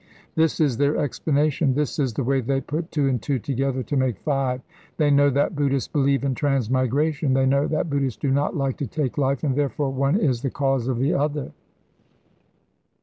This is their explanation, this is the way they put two and two together to make five. They know that Buddhists believe in transmigration, they know that Buddhists do not like to take life, and therefore one is the cause of the other.